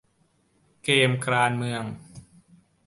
เกมการเมือง